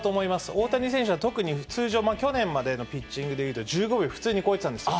大谷選手は特に、通常、去年までのピッチングでいうと、１５秒普通に超えてたんですよ。